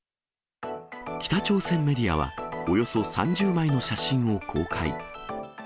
北朝鮮メディアは、およそ３０枚の写真を公開。